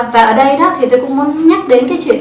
và ở đây đó thì tôi cũng muốn nhắc đến cái chuyện